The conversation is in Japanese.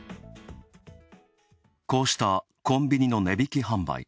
こうした、コンビニの値引き販売。